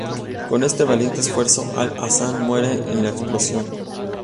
Con este valiente esfuerzo, Al-Assad muere en la explosión.